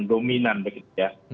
dominan begitu ya